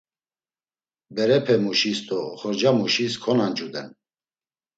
Berepemuşis do oxorcamuşis konancuden.